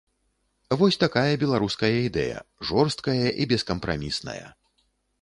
Вось такая беларуская ідэя, жорсткая і бескампрамісная.